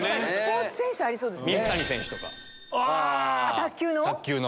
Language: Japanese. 卓球の！